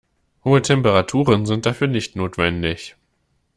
Hohe Temperaturen sind dafür nicht notwendig.